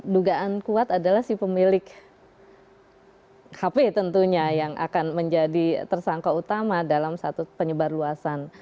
dugaan kuat adalah si pemilik hp tentunya yang akan menjadi tersangka utama dalam satu penyebar luasan